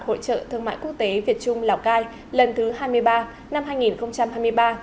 hội trợ thương mại quốc tế việt trung lào cai lần thứ hai mươi ba năm hai nghìn hai mươi ba